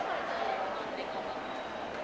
ไม่มีใครรู้แต่ไม่บอกใครเลย